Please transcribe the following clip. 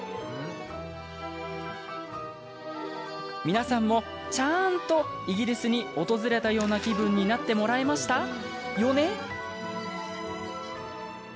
皆さんも、ちゃんとイギリスに訪れたような気分になってもらえましたよね？